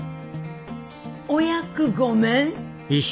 お役御免？